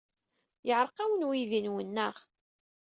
Yeɛreq-awen weydi-nwen, naɣ?